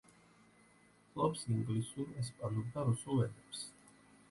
ფლობს ინგლისურ, ესპანურ და რუსულ ენებს.